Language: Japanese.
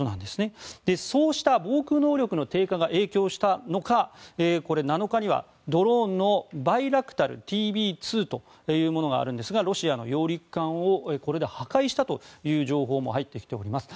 そうした防空能力の低下が影響したのか７日にはドローンのバイラクタルＴＢ２というものがあるんですがロシアの揚陸艦をこれで破壊したという情報も入ってきております。